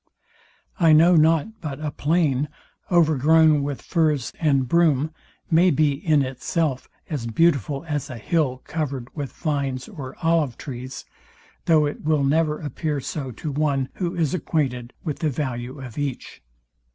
I know not but a plain, overgrown with furze and broom, may be, in itself, as beautiful as a hill covered with vines or olive trees; though it will never appear so to one, who is acquainted with the value of each.